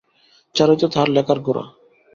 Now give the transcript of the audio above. চারুই তো তাহার লেখার গোড়া।